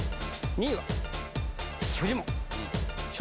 ２位は？